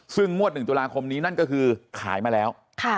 ซึ่งงวด๑ตุลาคมนี้นั่นก็คือขายมาแล้ว